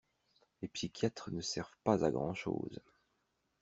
Les psychiatres ne servent pas à grand chose.